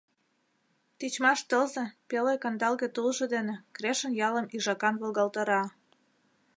Тичмаш тылзе пеле-кандалге тулжо дене Крешын ялым ӱжакан волгалтара.